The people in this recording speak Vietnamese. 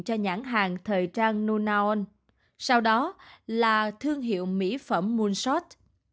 cho nhãn hàng thời trang nonaon sau đó là thương hiệu mỹ phẩm moonshot